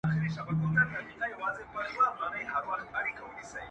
د ارمان بېړۍ شړمه د اومید و شنه دریاب ته,